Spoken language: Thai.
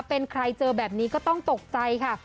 เป็นใครเจอแบบนี้ก็ต้องตกใจค่ะ